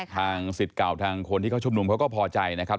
สิทธิ์เก่าทางคนที่เขาชุมนุมเขาก็พอใจนะครับ